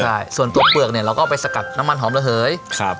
ใช่ส่วนตัวเปลือกเนี่ยเราก็ไปสกัดน้ำมันหอมระเหยครับ